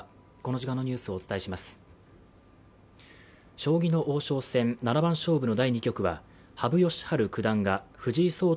将棋の王将戦７番勝負の第２局は羽生善治九段が藤井聡太